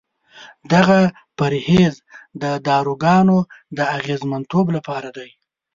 دغه پرهیز د داروګانو د اغېزمنتوب لپاره دی.